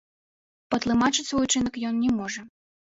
Патлумачыць свой учынак ён не можа.